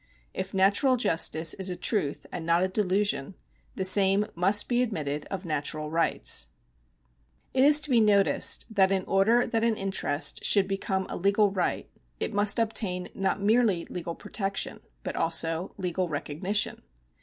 If natural justice is a truth and not a delusion, the same must be admitted of natural rights.^ It is to be noticed that in order that an interest should become a legal right, it must obtain not merely legal protection, but also legal recognition.